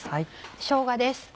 しょうがです。